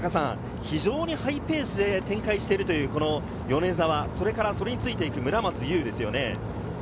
田中さん、非常にハイペースで展開しているというこの米澤、それからそれについてく村松結ですね。